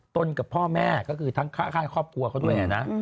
กับพ่อแม่ก็คือทั้งข้างครอบครัวเขาด้วยนะ